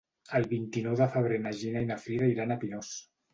El vint-i-nou de febrer na Gina i na Frida iran a Pinós.